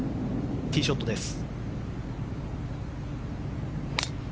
ティーショットです。